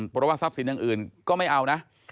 เพราะว่าทรัพย์สินอย่างอื่นก็ไม่เอานะ